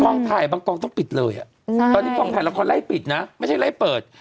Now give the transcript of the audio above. ถ่ายบางกองต้องปิดเลยอ่ะใช่ตอนนี้กองถ่ายละครไล่ปิดนะไม่ใช่ไล่เปิด